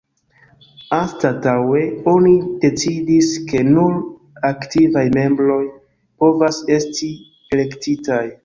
Anstataŭe oni decidis, ke nur "aktivaj membroj" povas esti elektitaj.